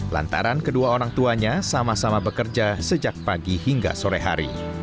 lantaran kedua orang tuanya sama sama bekerja sejak pagi hingga sore hari